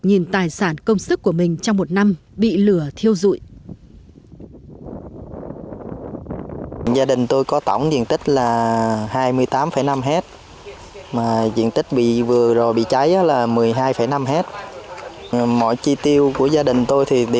nghìn tài sản công sức của mình trong một năm bị lửa thiêu dụi